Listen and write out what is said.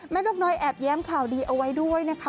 นกน้อยแอบแย้มข่าวดีเอาไว้ด้วยนะคะ